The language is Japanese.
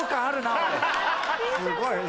すごいな。